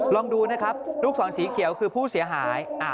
ลองดูนะครับลูกศรสีเขียวคือผู้เสียหาย